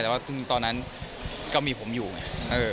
แต่ว่าตอนนั้นก็มีผมอยู่ไง